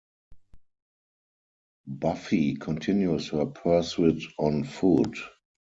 Buffy continues her pursuit on foot.